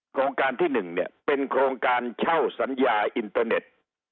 โครงการที่๑เนี่ยเป็นโครงการเช่าสัญญาอินเตอร์เน็ต